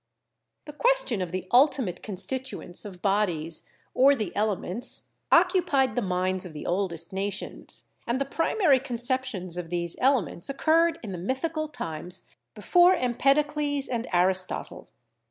The question of the ultimate constituents of bodies or the elements occupied the minds of the oldest nations, and the primary conceptions of these elements occurred in the mythical times before Empedocles and Aristotle.